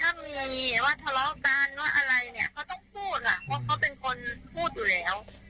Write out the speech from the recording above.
เขาต้องพูดว่าเขาเป็นคนพูดอยู่แล้ว